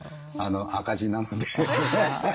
赤字なので。